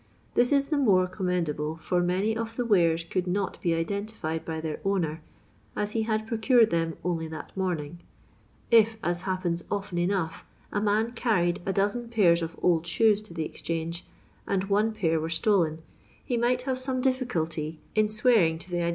This is the more com mendable, for many of the wares could not be identified by their owner, as he had procured them only that morning. If, as happens often enough, a roan carried a dozen pairs of old shoes to the Exchange, and one pair were stolen, he might have some difficulty in swearing to the SCENE IN PETTICOAT LANE.